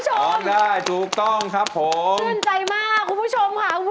ร้องได้ร้องได้ร้องได้ร้องได้